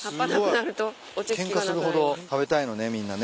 ケンカするほど食べたいのねみんなね。